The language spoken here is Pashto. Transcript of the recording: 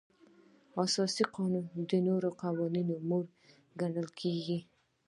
اساسي قانون د نورو قوانینو مور ګڼل کیږي.